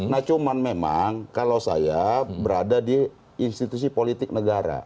nah cuman memang kalau saya berada di institusi politik negara